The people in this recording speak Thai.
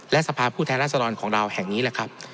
และสภาพผู้แทนรัศดรของเราแห่งนี้แหละครับ